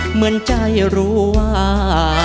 เหมือนใจรู้ว่า